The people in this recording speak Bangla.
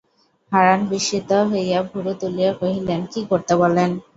হারান বিস্মিত হইয়া ভুরু তুলিয়া কহিলেন, কী করতে বলেন?